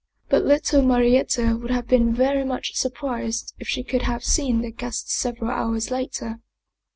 But little Marietta would have been very much surprised if she could have seen their guest several hours later.